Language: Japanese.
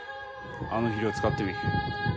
あの肥料使ってみ。